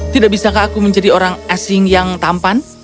tidak bisakah aku menjadi orang asing yang tampan